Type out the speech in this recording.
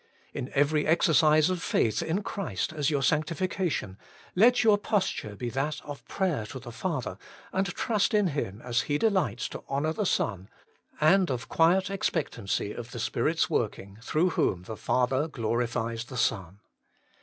In every exercise of faith in Christ as your Sanctification, let your posture be that of prayer to the Father and trust in Him as He delights to honour the Son, and of quiet expectancy of the Spirit's working, through whom the Father glorifies the Son.